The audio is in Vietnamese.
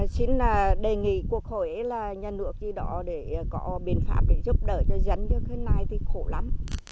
chính là đề nghị cuộc hội là nhà nước đi đó để có biện pháp để giúp đỡ cho dân như thế này thì khổ lắm